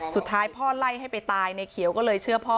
สุดท้ายพ่อไล่ให้ไปตายในเขียวก็เลยเชื่อพ่อ